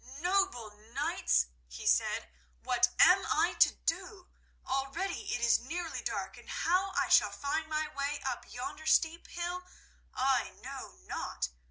"Noble knights," he said, "what am I to do? Already it is nearly dark, and how I shall find my way up yonder steep hill I know not.